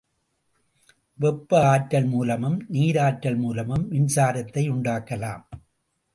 வெப்ப ஆற்றல் மூலமும் நீராற்றல் மூலமும் மின்சாரத்தை உண்டாக்கலாம்.